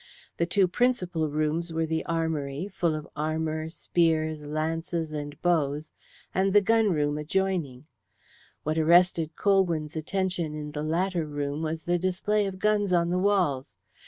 The two principal rooms were the armoury, full of armour, spears, lances and bows, and the gun room adjoining. What arrested Colwyn's attention in the latter room was the display of guns on the walls.